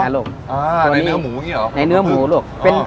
อ๋อในเนื้อหมูบ่อยเหรอในเนื้อหมูลุง